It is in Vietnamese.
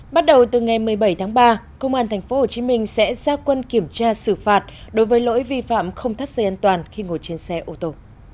bắt đầu từ ngày một mươi bảy tháng ba công an tp hcm sẽ ra quân kiểm tra xử phạt đối với lỗi vi phạm không thắt dây an toàn khi ngồi trên xe ô tô